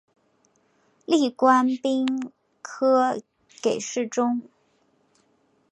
历官兵科给事中。